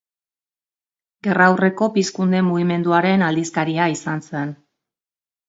Gerra aurreko Pizkunde mugimenduaren aldizkaria izan zen.